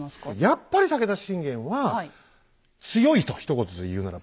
やっぱり武田信玄は強いとひと言で言うならば。